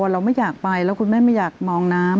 เราไม่อยากไปแล้วคุณแม่ไม่อยากมองน้ำ